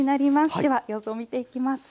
では様子を見ていきます。